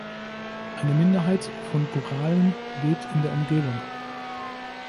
Eine Minderheit von Goralen lebt in der Umgebung.